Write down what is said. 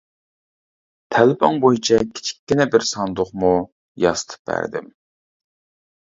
تەلىپىڭ بويىچە كىچىككىنە بىر ساندۇقمۇ ياسىتىپ بەردىم.